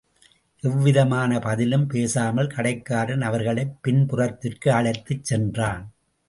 எவ்விதமான பதிலும் பேசாமல் கடைக்காரன் அவர்களைப் பின்புறத்திற்கு அழைத்துச் சென்றான்.